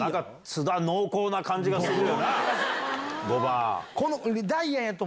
津田、濃厚な感じがするよな。